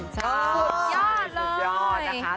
สุดยอดเลย